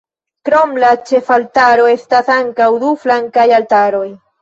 Krom la ĉefaltaro estas ankaŭ du flankaj altaroj.